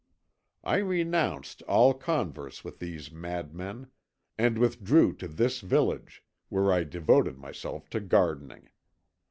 "I renounced all converse with these madmen and withdrew to this village, where I devoted myself to gardening.